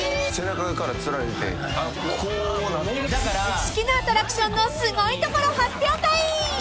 ［好きなアトラクションのすごいところ発表会］